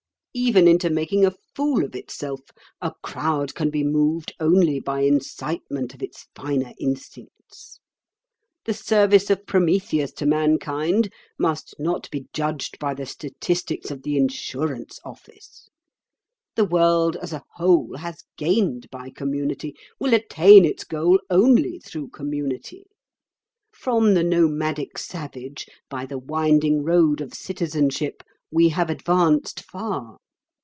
Even into making a fool of itself, a crowd can be moved only by incitement of its finer instincts. The service of Prometheus to mankind must not be judged by the statistics of the insurance office. The world as a whole has gained by community, will attain its goal only through community. From the nomadic savage by the winding road of citizenship we have advanced far.